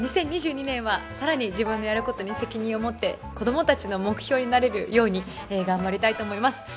２０２２年は更に自分のやることに責任を持って子供たちの目標になれるように頑張りたいと思います。